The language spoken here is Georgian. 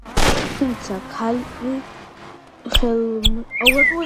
თუცა ქალია, ხელმწიფედ მართ ღმრთისა დანაბადია;